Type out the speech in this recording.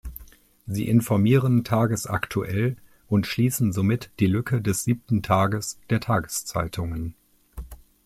Sie informieren tagesaktuell und schließen somit die Lücke des siebten Tages der Tageszeitungen.